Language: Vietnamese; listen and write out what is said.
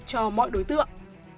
cho mọi đối tượng